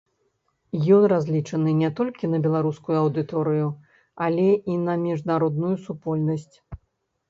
Ён разлічаны не толькі на беларускую аўдыторыю, але і на міжнародную супольнасць.